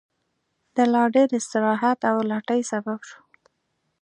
د لا ډېر استراحت او لټۍ سبب شو.